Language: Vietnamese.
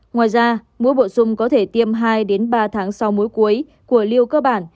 ngoài ra mũi bổ sung có thể tiêm hai ba tháng sau mũi cuối của liều cơ bản